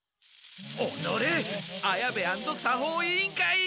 おのれ綾部アンド作法委員会！